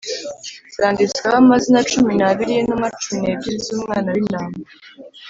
zanditsweho amazina cumi n’abiri y’intumwa cumi n’ebyiri z’Umwana w’Intama.